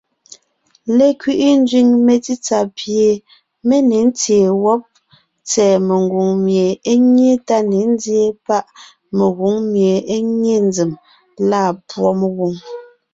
Lekẅiʼi nzẅìŋ metsítsà pie mé tsěen wɔ́b tsɛ̀ɛ megwòŋ mie é nyé tá ne nzyéen páʼ mengwòŋ mie é nye nzèm lâ púɔ mengwòŋ.